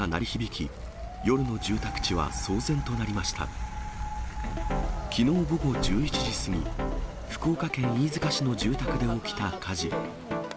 きのう午後１１時過ぎ、福岡県飯塚市の住宅で起きた火事。